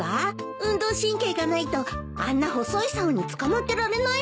運動神経がないとあんな細いさおにつかまってられないもの。